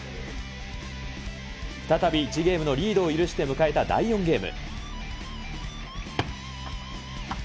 再び１ゲームのリードを許して迎えた第４ゲーム。